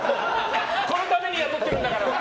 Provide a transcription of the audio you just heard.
このために雇ってるんだからな！